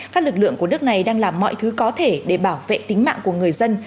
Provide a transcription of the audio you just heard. các lực lượng của nước này đang làm mọi thứ có thể để bảo vệ tính mạng của người dân